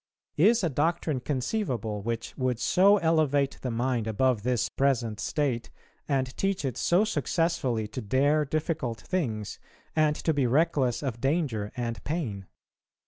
Is a doctrine conceivable which would so elevate the mind above this present state, and teach it so successfully to dare difficult things, and to be reckless of danger and pain?